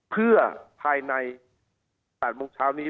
เพื่อภายใน๘โมงเช้านี้